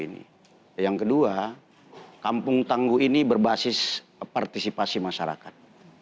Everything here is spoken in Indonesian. yang kedua kampung tangguh ini berbasis partisipasi masyarakat